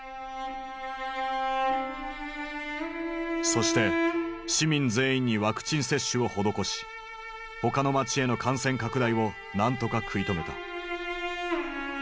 そして市民全員にワクチン接種を施し他の町への感染拡大を何とか食い止めた。